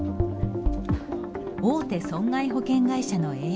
大手損害保険会社の営業部。